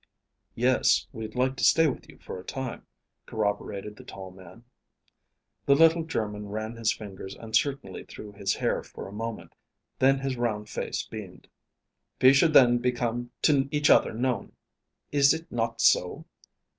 "Yes, we'd like to stay with you for a time," corroborated the tall man. The little German ran his fingers uncertainly through his hair for a moment; then his round face beamed. "We should then become to each other known. Is it not so?"